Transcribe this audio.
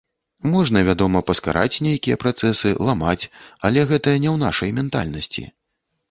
Можна, вядома, паскараць нейкія працэсы, ламаць, але гэта не ў нашай ментальнасці.